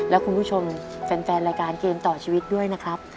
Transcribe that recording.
แล้วก็อยากให้ทำตัวดีกับพ่อกับแม่ค่ะ